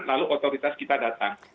lalu otoritas kita datang